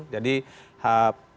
jadi sidang mediasi tadi